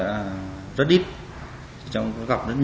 gặp rất nhiều khó khăn trong công tác truy bắt